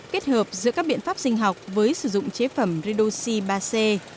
kết hợp giữa các biện pháp sinh học với sử dụng chế phẩm redoxi ba c